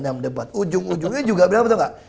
yang mendebat ujung ujungnya juga benar betul nggak